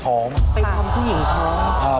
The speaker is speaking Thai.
เป็นความผู้หญิงท้อง